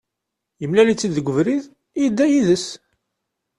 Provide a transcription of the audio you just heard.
Yemlal-itt-id deg ubrid, yedda yid-s.